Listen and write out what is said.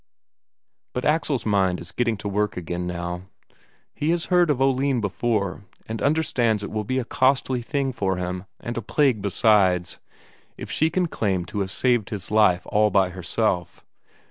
But Axel's mind is getting to work again now. He has heard of Oline before, and understands it will be a costly thing for him, and a plague besides, if she can claim to have saved his life all by herself.